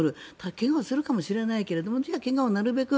怪我をするかもしれないけど怪我をなるべく